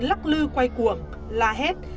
lắc lư quay cuồng la hét